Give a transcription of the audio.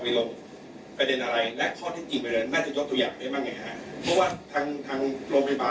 และข้อที่จริงหมดแล้วนั่นแทนยกแต่อย่างอะไรหรือเปล่า